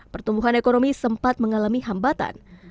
pertumbuhan ekonomi sempat mengalami hambatan